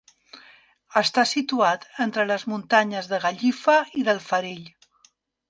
Està situat entre les muntanyes de Gallifa i del Farell.